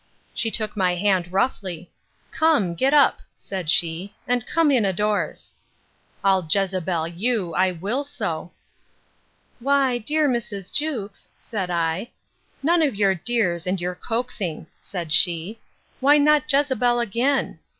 She took my hand roughly; Come, get up, said she, and come in a'doors!—I'll Jezebel you, I will so!—Why, dear Mrs. Jewkes, said I.—None of your dears, and your coaxing! said she; why not Jezebel again?